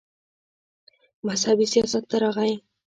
مذهبي سياست ته راغے